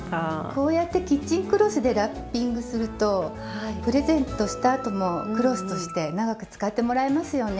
こうやってキッチンクロスでラッピングするとプレゼントしたあともクロスとして長く使ってもらえますよね。